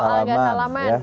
soal enggak salaman